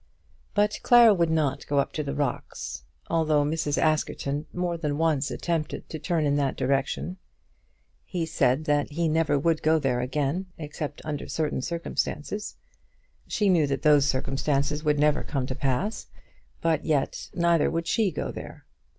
But Clara would not go up to the rocks, although Mrs. Askerton more than once attempted to turn in that direction. He had said that he never would go there again except under certain circumstances. She knew that those circumstances would never come to pass; but yet neither would she go there.